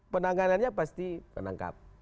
penanganannya pasti penangkap